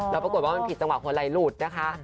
แล้วปรากฏว่ามันผิดจังหวะหัวไหล่หลุดนะคะ